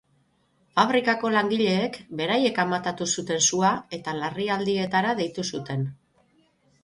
Fabrikako langileek beraiek amatatu zuten sua eta larrialdietara dietu zuten.